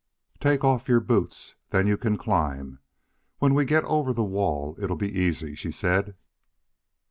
"Take off your boots. Then you can climb. When we get over the wall it'll be easy," she said.